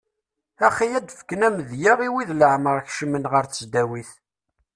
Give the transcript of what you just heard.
Axi ad d-ffken amedya i wid leɛmer kecmen ɣer tesdawit.